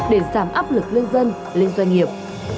để giảm áp lực lương dân lên doanh nghiệp